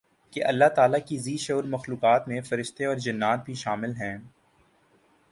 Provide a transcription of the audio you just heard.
کہ اللہ تعالیٰ کی ذی شعور مخلوقات میں فرشتے اورجنات بھی شامل ہیں